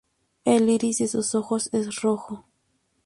El iris de su ojos es rojo.